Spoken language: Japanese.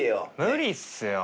無理っすよ。